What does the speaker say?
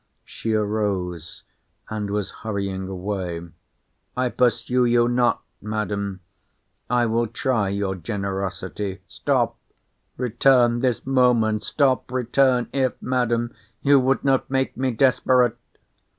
She arose, and was hurrying away. I pursue you not, Madam—I will try your generosity. Stop—return—this moment stop, return, if, Madam, you would not make me desperate.